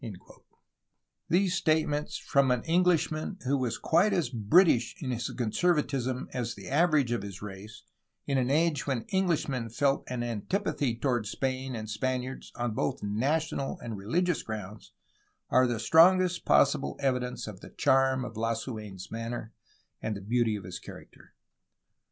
These statements from an Enghshman, who was quite as "British" in his conservatism as the average of his race, in an age when EngUshmen felt an antipathy toward Spain and Spaniards on both national and religious grounds, are the strongest possible evidence of the charm of Lasu^n's manner and the beauty of his character